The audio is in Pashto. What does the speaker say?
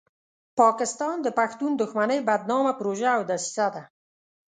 پاکستان د پښتون دښمنۍ بدنامه پروژه او دسیسه ده.